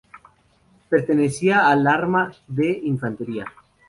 Pertenecía al arma de infantería.